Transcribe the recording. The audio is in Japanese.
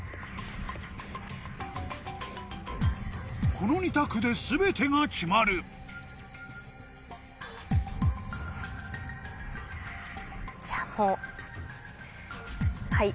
この２択で全てが決まるじゃあもう。